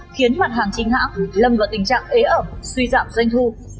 khiến mặt hàng chính hãng lâm vào tình trạng ế ẩm suy giảm doanh thu